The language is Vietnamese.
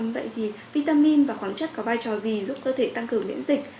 vậy thì vitamin và khoáng chất có vai trò gì giúp cơ thể tăng cường miễn dịch